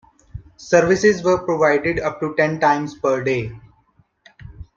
Services were provided up to ten times per day.